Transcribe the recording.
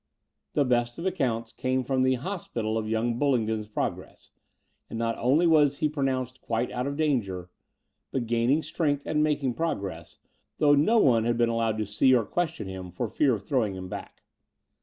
The best of accounts came from the hospital" of young BuUingdon's progress : and not only was he pronotmced quite out of danger, but gaining strength and making progress, though no one had been allowed to see or question him for fear of throwing him back.